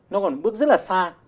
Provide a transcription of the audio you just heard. nó còn bước rất là xa